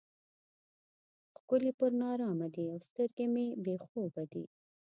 ښکلي پر نارامه دي او سترګې مې بې خوبه دي.